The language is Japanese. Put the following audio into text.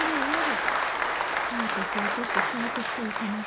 じゃあ私はちょっと仕事していいかな？